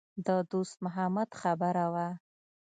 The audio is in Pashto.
د دوست محمد خبره وه.